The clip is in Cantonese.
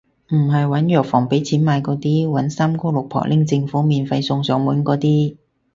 唔係搵藥房畀錢買嗰啲，搵三姑六婆拎政府免費送上門嗰啲